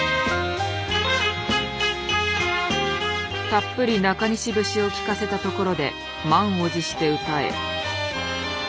たっぷり中西節を聞かせたところで満を持して歌へ。